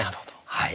はい。